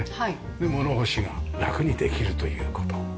で物干しがラクにできるという事。